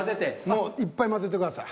もういっぱい混ぜてください。